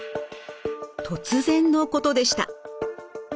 突然のことでした。